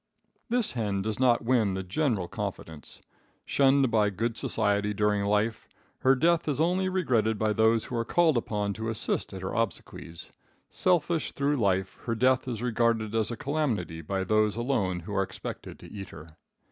This hen does not win the general confidence. Shunned by good society during life, her death is only regretted by those who are called upon to assist at her obsequies. Selfish through life, her death is regarded as a calamity by those alone who are expected to eat her.